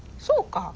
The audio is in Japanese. そうか。